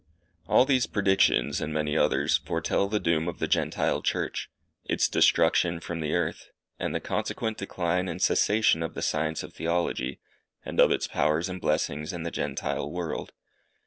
All these predictions, and many others, foretell the doom of the Gentile Church its destruction from the earth, and the consequent decline and cessation of the science of Theology, and of its powers and blessings in the Gentile world.